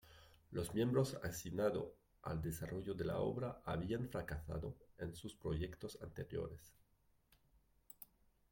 Los miembros asignados al desarrollo de la obra habían fracasado en sus proyectos anteriores.